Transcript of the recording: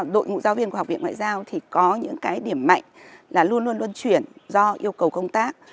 đội ngũ giáo viên của học viện ngoại giao thì có những cái điểm mạnh là luôn luôn chuyển do yêu cầu công tác